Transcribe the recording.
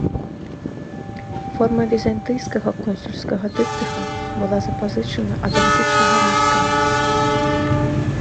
Форма візантыйскага консульскага дыптыха была запазычана ад антычнага рымскага.